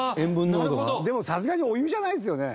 でもさすがにお湯じゃないですよね？